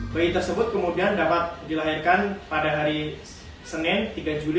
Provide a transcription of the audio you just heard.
bayi tersebut kemudian dapat dilahirkan pada hari senin tiga juli sekitar pukul tujuh pagi